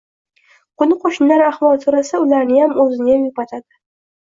Qo‘ni-qo‘shnilar ahvol so‘rasa, ularniyam, o‘ziniyam yupatadi.